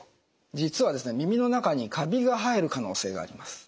実は耳の中にカビが生える可能性があります。